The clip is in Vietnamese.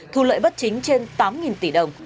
thu lợi bất chính trên tám tỷ đồng